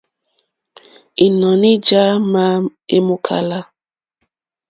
Ínɔ̀ní já má èmòkála.